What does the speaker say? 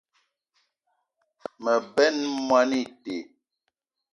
Me benn moni ite